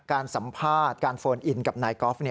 การสัมภาษณ์การโฟนอินกับนายกอล์ฟ